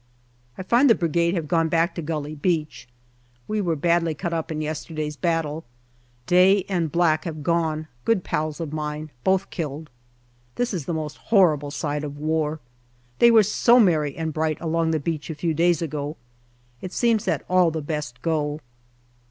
I find the Brigade have gone back to Gully Beach. We were badly cut up in yesterday's battle. Day and Black have gone, good pals of mine, both killed. This is the most horrible side of war. They were so merry and bright along the beach a few days ago. It seems that all the best go.